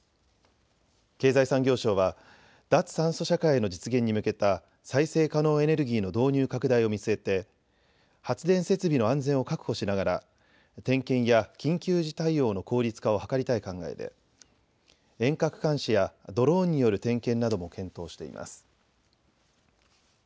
経済産業省は脱炭素社会の実現に向けた再生可能エネルギーの導入拡大を見据えて発電設備の安全を確保しながら点検や緊急時対応の効率化を図りたい考えで遠隔監視やドローンによる点検なども検討しています。